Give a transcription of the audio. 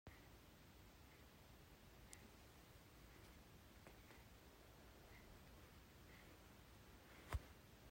Sa kan em.